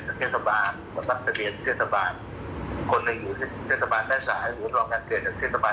และรับพระเบียนที่แกล้งเกิดของนั้นหรือถือรับรองการเกิดที่เกิดในไทย